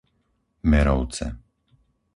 Merovce